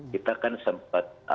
kita kan sempat